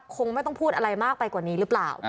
คงไม่ต้องพูดอะไรมากไปกว่านี้หรือเปล่า